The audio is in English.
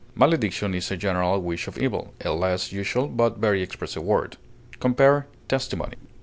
Malediction is a general wish of evil, a less usual but very expressive word. Compare TESTIMONY.